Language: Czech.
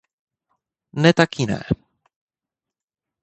Ne tak jiné.